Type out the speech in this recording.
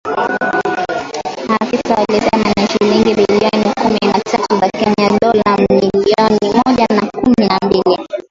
Maafisa walisema ni shilingi bilioni kumi na tatu za Kenya (dola milioni mia moja kumi na mbili).